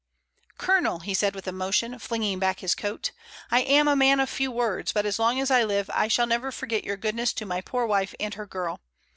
"Colonel!" he said, with emotion, flinging back his coat, "I am a man of few words, but as long as I live I shall never forget your goodness to my poor wife and her girl.